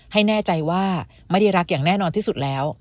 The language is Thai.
ให้แน่ใจว่าไม่ได้รักอย่างแน่นอนที่สุดแล้ว